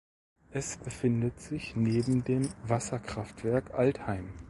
Es befindet sich neben dem Wasserkraftwerk Altheim.